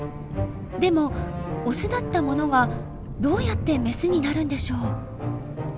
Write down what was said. でもオスだったものがどうやってメスになるんでしょう。